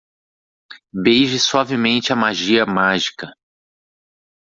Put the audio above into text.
Beije suavemente a magia mágica